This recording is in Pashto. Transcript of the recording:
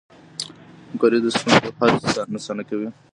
همکاري د ستونزو حل اسانه کوي.